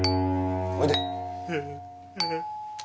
おいで。